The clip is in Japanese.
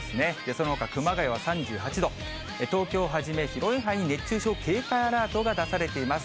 そのほか、熊谷は３８度、東京をはじめ、広い範囲で熱中症警戒アラートが出されています。